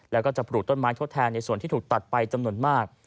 แล้วก็จะปลูกต้นไม้ทดแทนในส่วนที่ถูกตัดไปจำนวนมาก